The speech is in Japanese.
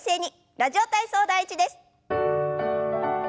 「ラジオ体操第１」です。